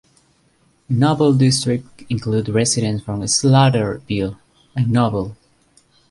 Noble district includes residents from Slaughterville and Noble.